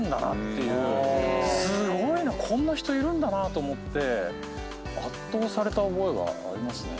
すごいなこんな人いるんだなと思って圧倒された覚えがありますね。